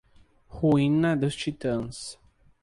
Ruína dos titãs